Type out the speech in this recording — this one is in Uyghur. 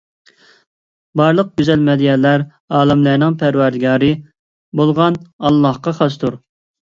بارلىق گۈزەل مەدھىيەلەر ئالەملەرنىڭ پەرۋەردىگارى بولغان ئاللاھقا خاستۇر.